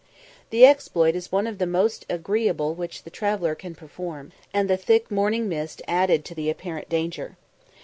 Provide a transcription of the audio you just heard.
The exploit is one of the most agreeable which the traveller can perform, and the thick morning mist added to the apparent danger.